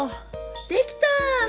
できた！